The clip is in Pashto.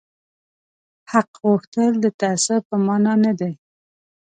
حق غوښتل د تعصب په مانا نه دي